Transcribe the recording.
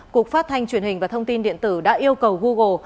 cục phát thanh truyền hình và thông tin điện tử đã yêu cầu google